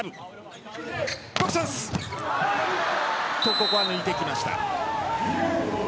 ここは抜いてきました。